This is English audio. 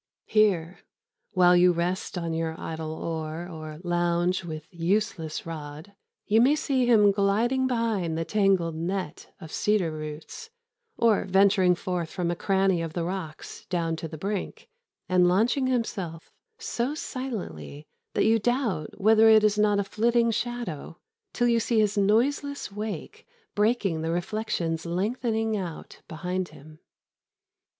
Here, while you rest on your idle oar or lounge with useless rod, you may see him gliding behind the tangled net of cedar roots, or venturing forth from a cranny of the rocks down to the brink, and launching himself so silently that you doubt whether it is not a flitting shadow till you see his noiseless wake breaking the reflections lengthening out behind him.